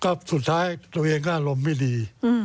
ก็สุดท้ายตัวเองก็อารมณ์ไม่ดี